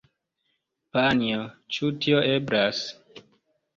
Panjo, ĉu tio eblas?